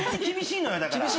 厳しいのか。